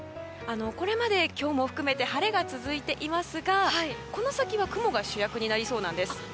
これまで今日も含めて晴れが続いていますがこの先は雲が主役になりそうなんです。